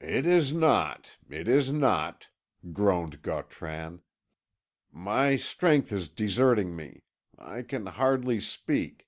"It is not, it is not," groaned Gautran. "My strength is deserting me; I can hardly speak.